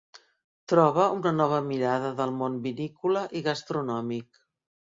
Troba una nova mirada del món vinícola i gastronòmic.